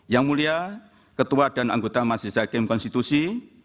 yang mulia ketua dan anggota majelis hakim konstitusi